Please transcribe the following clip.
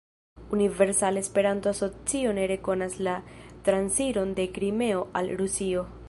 Universala Esperanto-Asocio ne rekonas la transiron de Krimeo al Rusio.